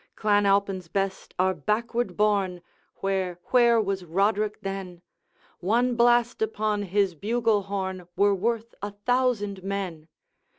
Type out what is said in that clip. Clan Alpine's best are backward borne Where, where was Roderick then! One blast upon his bugle horn Were worth a thousand men.